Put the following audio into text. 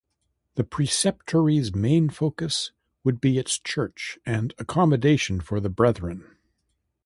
A preceptory's main focus would be its church and accommodation for the brethren.